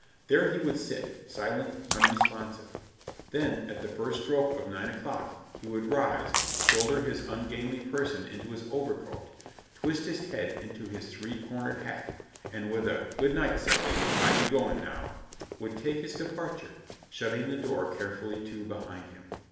There he would sit, silent, unresponsive; then, at the first stroke of nine o'clock, he would rise, shoulder his ungainly person into his overcoat, twist his head into his three cornered hat, and with a "Good night, Sally, I be going now," would take his departure, shutting the door carefully to behind him.